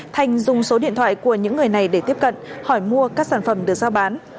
thành dùng số điện thoại của những người này để tiếp cận hỏi mua các sản phẩm được giao bán